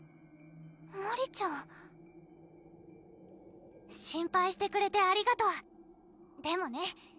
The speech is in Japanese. マリちゃん心配してくれてありがとうでもね